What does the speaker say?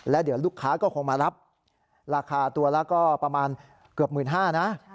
แล้วเดี๋ยวลูกค้าก็คงมารับราคาตัวละก็ประมาณเกือบ๑๕๐๐นะ